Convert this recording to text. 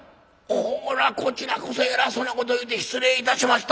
こらこちらこそ偉そうなこと言うて失礼いたしました。